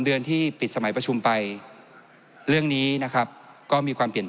เดือนที่ปิดสมัยประชุมไปเรื่องนี้นะครับก็มีความเปลี่ยน